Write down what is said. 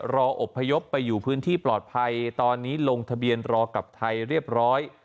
อบพยพไปอยู่พื้นที่ปลอดภัยตอนนี้ลงทะเบียนรอกลับไทยเรียบร้อย